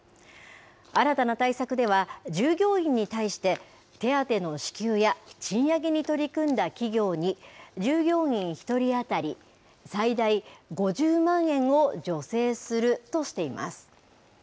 新たな対策では、従業員に対して手当の支給や賃上げに取り組んだ企業に、従業員１人当たり最大５０万円を助成するとしています。